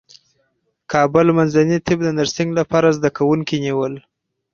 کابل منځني طب د نرسنګ لپاره زدکوونکي نیول